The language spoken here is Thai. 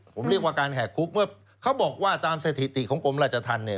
ผมเรียกว่าการแหกคุกเมื่อเขาบอกว่าตามสถิติของกรมราชธรรมเนี่ย